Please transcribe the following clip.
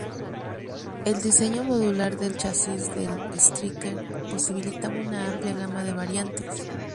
El diseño modular del chasis del Stryker posibilita una amplia gama de variantes.